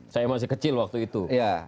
saya masih kecil waktu itu